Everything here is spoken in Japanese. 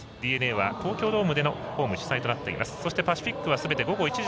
ＤｅＮＡは東京ドームでのホームになっています。